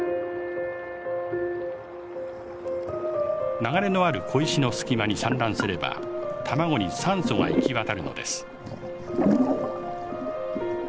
流れのある小石の隙間に産卵すれば卵に酸素が行き渡るのです。